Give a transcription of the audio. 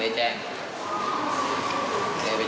ไม่มีบาดแผล